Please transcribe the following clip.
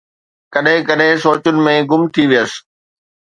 ڪڏهن ڪڏهن سوچن ۾ گم ٿي ويس